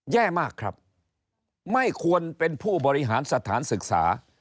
แย่มากครับไม่ควรเป็นผู้บริหารสถานศึกษา